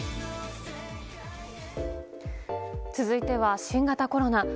続いては新型コロナ。